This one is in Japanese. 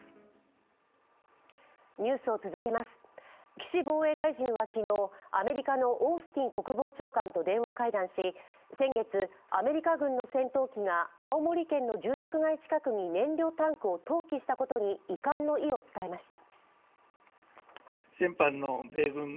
岸防衛大臣は昨日アメリカのオースティン国防長官と電話会談し先月、アメリカ軍の戦闘機が青森県の住宅街近くに燃料タンクを投棄したことに遺憾の意を伝えました。